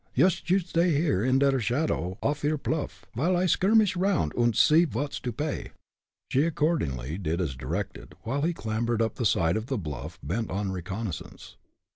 Yoost you sday here in der shadow off yer pluff, vile I skirmish aroundt und see vot's to pay." She accordingly did as directed, while he clambered up the side of the bluff, bent on reconnoisance.